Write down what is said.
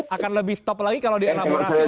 akan lebih top lagi kalau dielaborasi oleh bang zulfan